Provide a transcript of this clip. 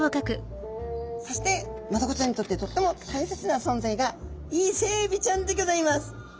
そしてマダコちゃんにとってとっても大切な存在がイセエビちゃんでギョざいます！